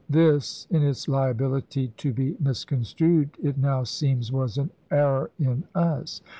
This, in its liability to be misconstrued, it now seems was an error in us.